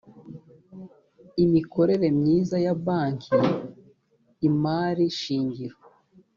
imikorere myiza ya banki imari shingiro